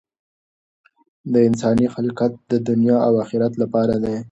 د انسان خلقت د دنیا او آخرت لپاره دی.